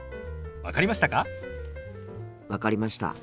分かりました。